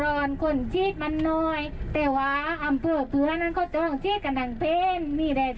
แต่ก็คือจันทร์ความก็คือต้องการโรนโร